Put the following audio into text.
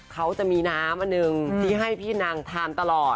เค้ามีน้ำที่ให้พี่นางธานตลอด